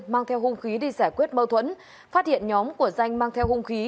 mang theo hung khí đi giải quyết mâu thuẫn phát hiện nhóm của danh mang theo hung khí